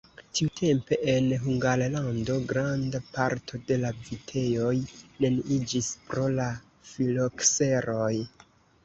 Tiutempe en Hungarlando granda parto de la vitejoj neniiĝis pro la filokseroj.